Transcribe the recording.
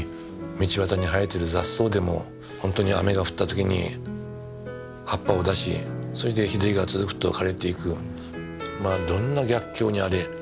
道端に生えてる雑草でも本当に雨が降った時に葉っぱを出しそれで日照りが続くと枯れていく。